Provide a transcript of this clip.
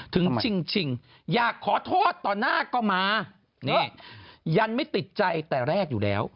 ถึงจริงอยากขอโทษต่อหน้าก็มานี่ยันไม่ติดใจแต่แรกอยู่แล้ว